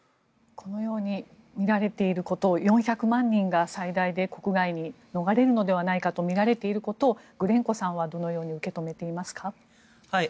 このように見られていることを４００万人が最大で国外に逃れるのではないかと見られていることをグレンコさんはどのように受け止めていますか？